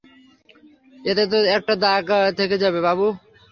এতে তো একটা দাগ থেকে যাবে, বাবু।